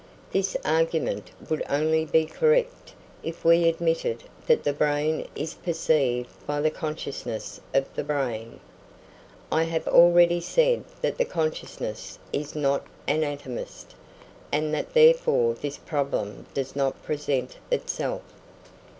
This argument would only be correct if we admitted that the brain is perceived by the consciousness of the brain. I have already said that the consciousness is not an anatomist, and that therefore this problem does not present itself.